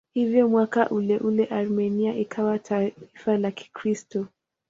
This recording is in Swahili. Hivyo mwaka uleule Armenia ikawa taifa la Kikristo.